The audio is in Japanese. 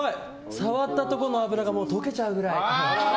触ったところの脂が溶けちゃうくらい。